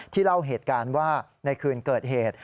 เล่าเหตุการณ์ว่าในคืนเกิดเหตุ